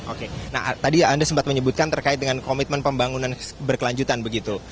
oke nah tadi anda sempat menyebutkan terkait dengan komitmen pembangunan berkelanjutan begitu